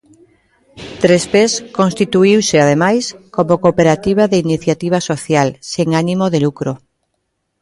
Trespés constituíuse, ademais, como cooperativa de iniciativa social, sen ánimo de lucro.